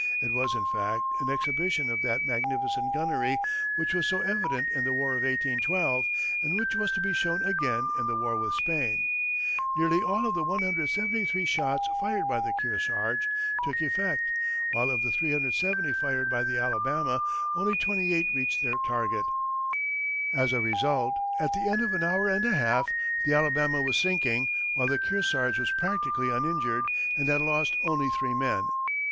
It was, in fact, an exhibition of that magnificent gunnery which was so evident in the war of 1812, and which was to be shown again in the war with Spain. Nearly all of the 173 shots fired by the Kearsarge took effect, while of the 370 fired by the Alabama, only 28 reached their target. As a result, at the end of an hour and a half, the Alabama was sinking, while the Kearsarge was practically uninjured and had lost only three men.